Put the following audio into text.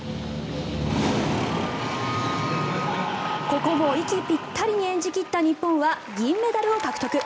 ここも息ぴったりに演じ切った日本は銀メダルを獲得。